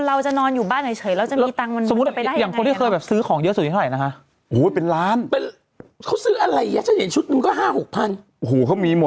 เยอะแยะใช่ไหม